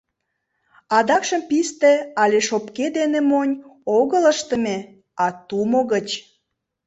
Адакшым писте але шопке дене монь огыл ыштыме, а тумо гыч.